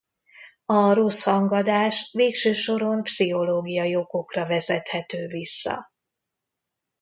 A rossz hangadás végső soron pszichológiai okokra vezethető vissza.